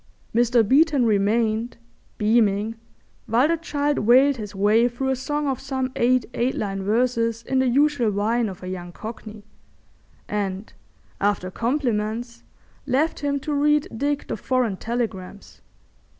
Mr. Beeton remained, beaming, while the child wailed his way through a song of some eight eight line verses in the usual whine of a young Cockney, and, after compliments, left him to read Dick the foreign telegrams.